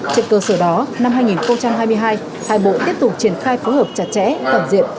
trên cơ sở đó năm hai nghìn hai mươi hai hai bộ tiếp tục triển khai phối hợp chặt chẽ toàn diện